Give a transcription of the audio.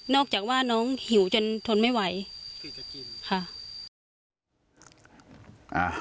นอกจากว่าน้องหิวจนทนไม่ไหวค่ะ